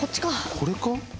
これか？